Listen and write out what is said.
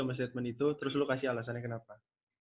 sama statement itu terus lo kasih alasannya kenapa